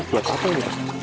buat apa ini